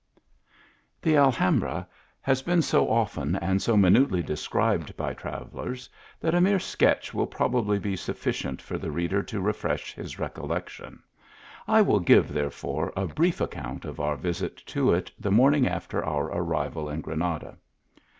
THE Alhambra has been so often and so minutely described by travellers, that a mere sketch will probably be sufficient for the reader to refresh his recollection ; I will give, therefore, a brief account of our visit to it the morning after our arrival in Granada.